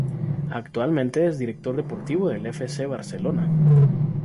Actualmente es director deportivo del F. C. Barcelona.